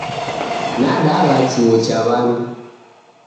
Nadagha chuo cha w'andu